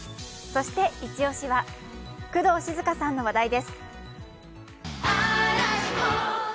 そしてイチ押しは工藤静香さんの話題です。